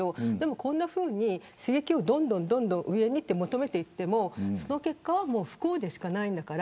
こんなふうに刺激をどんどん上に求めてもその結果は不幸でしかないんだから。